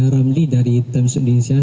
ramli dari times indonesia